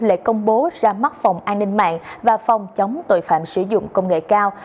lễ công bố ra mắt phòng an ninh mạng và phòng chống tội phạm sử dụng công nghệ cao